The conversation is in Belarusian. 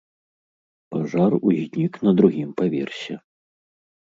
Пажар узнік на другім паверсе.